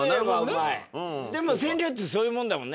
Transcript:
でも川柳ってそういうもんだもんね。